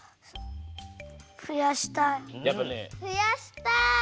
ふやしたい。